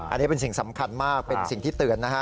อันนี้เป็นสิ่งสำคัญมากเป็นสิ่งที่เตือนนะฮะ